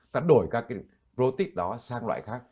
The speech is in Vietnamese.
ta đổi các cái protein đó sang loại khác